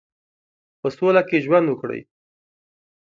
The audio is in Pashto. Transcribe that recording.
په سوله کې ژوند وکړي.